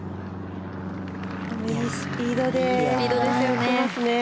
いいスピードで打ってますね。